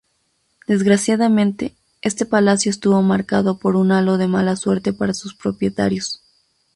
Desgraciadamente, este palacio estuvo marcado por un halo de mala suerte para sus propietarios.